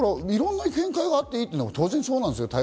いろんな見解があっていいというのは当然なんですよ。